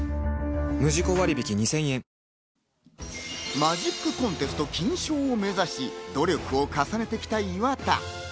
マジックコンテスト金賞を目指し、努力を重ねてきた岩田。